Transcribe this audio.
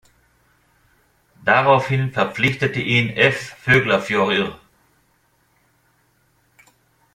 Daraufhin verpflichtete ihn ÍF Fuglafjørður.